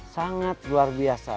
sangat luar biasa